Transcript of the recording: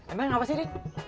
emang apasih dia white